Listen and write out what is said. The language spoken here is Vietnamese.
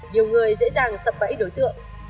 nhiều người dễ dàng sập bẫy đối tượng